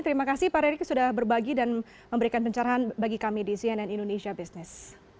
terima kasih pak red sudah berbagi dan memberikan pencerahan bagi kami di cnn indonesia business